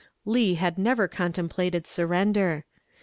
Lee had never contemplated surrender.